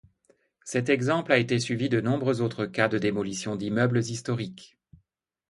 Cet exemple a été suivi de nombreux autres cas de démolition d'immeubles historiques.